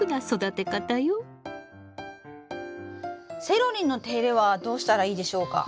セロリの手入れはどうしたらいいでしょうか？